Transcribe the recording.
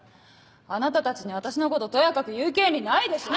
あなたたちに私のこととやかく言う権利ないでしょ。